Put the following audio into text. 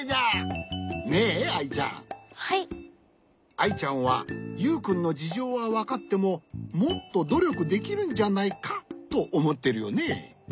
アイちゃんはユウくんのじじょうはわかってももっとどりょくできるんじゃないかとおもってるよね。